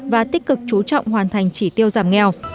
và tích cực chú trọng hoàn thành chỉ tiêu giảm nghèo